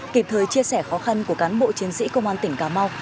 kịp thời chia sẻ khó khăn của cán bộ chiến sĩ công an tỉnh cà mau